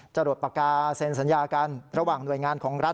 หลดปากกาเซ็นสัญญากันระหว่างหน่วยงานของรัฐ